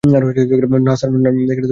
না, স্যার, প্রথম বার।